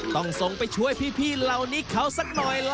ต้องส่งไปช่วยพี่เหล่านี้เขาสักหน่อยล่ะ